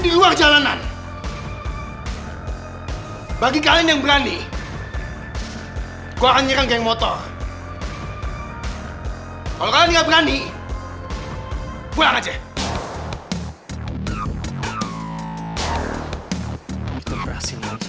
itu berhasil menghancing emosi sensei